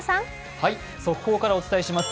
速報からお伝えします。